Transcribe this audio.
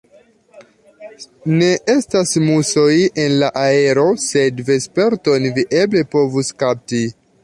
Ne estas musoj en la aero, sed vesperton vi eble povus kapti.